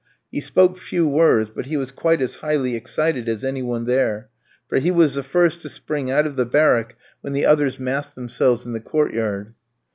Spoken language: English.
He spoke few words, but he was quite as highly excited as any one there, for he was the first to spring out of the barrack when the others massed themselves in the court yard.